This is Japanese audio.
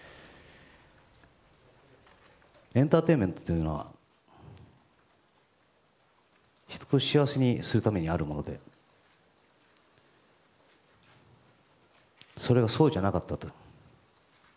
エンターテインメントというのは人を幸せにするためにあるものでそれはそうじゃなかったと。